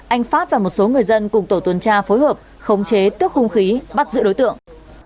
anh phát và một số người dân cùng tổ tuần tra phối hợp khống chế tước hung khí bắt giữ đối tượng